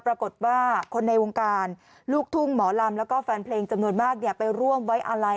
ปรากฏว่าคนในวงการลูกทุ่งหมอลำแล้วก็แฟนเพลงจำนวนมากไปร่วมไว้อาลัย